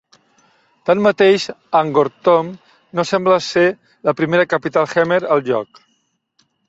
Tanmateix, Angkor Thom no sembla ser la primera capital Khmer al lloc.